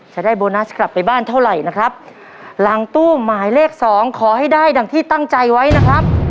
จะได้โบนัสกลับไปบ้านเท่าไหร่นะครับหลังตู้หมายเลขสองขอให้ได้ดังที่ตั้งใจไว้นะครับ